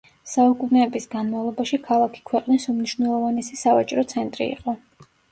საუკუნეების განმავლობაში ქალაქი ქვეყნის უმნიშვნელოვანესი სავაჭრო ცენტრი იყო.